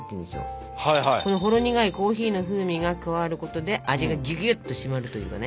このほろ苦いコーヒーの風味が加わることで味がぎゅぎゅっと締まるというかね。